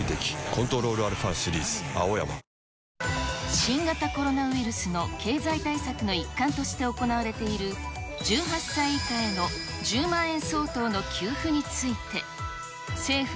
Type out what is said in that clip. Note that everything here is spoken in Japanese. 新型コロナウイルスの経済対策の一環として行われている、１８歳以下への１０万円相当の給付について。